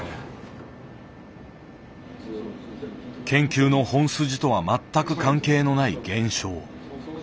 研究の本筋とは全く関係のない現象。